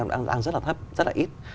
nó đang rất là thấp rất là ít